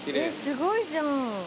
すごいじゃん。